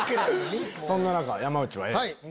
そんな中山内はＡ。